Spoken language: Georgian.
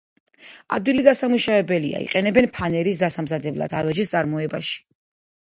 ადვილი დასამუშავებელია, იყენებენ ფანერის დასამზადებლად, ავეჯის წარმოებაში.